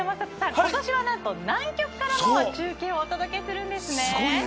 今年は何と南極からも中継をお伝えするんですね。